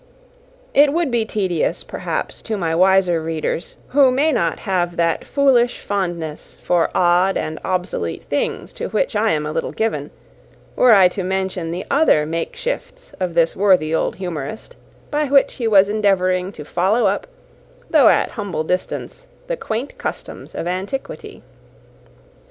* * See Note F. It would be tedious, perhaps, to my wiser readers, who may not have that foolish fondness for odd and obsolete things to which I am a little given, were I to mention the other makeshifts of this worthy old humourist, by which he was endeavouring to follow up, though at humble distance, the quaint customs of antiquity.